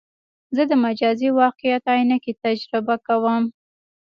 زه د مجازي واقعیت عینکې تجربه کوم.